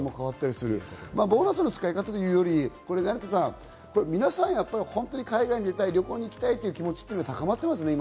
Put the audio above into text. ボーナスの使い道というより、皆さん、海外に行きたい、旅行に行きたいという気持ちが高まってますよね、今。